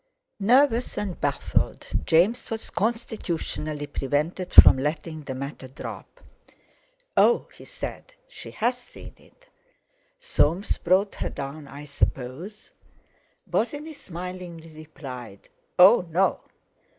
Nervous and baffled, James was constitutionally prevented from letting the matter drop. "Oh!" he said, "she has seen it? Soames brought her down, I suppose?" Bosinney smilingly replied: "Oh, no!"